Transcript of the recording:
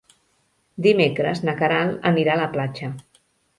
Dimecres na Queralt anirà a la platja.